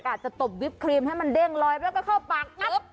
อาจจะตบวิปครีมให้มันเด้งลอยแล้วก็เข้าปากปั๊บ